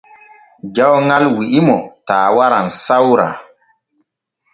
Jawŋal wi’imo taa waran sawra.